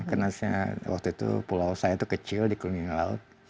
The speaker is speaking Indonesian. karena saya waktu itu pulau saya tuh kecil di keliling laut